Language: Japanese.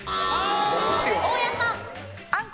大家さん。